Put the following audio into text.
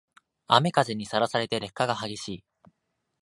雨風にさらされて劣化が激しい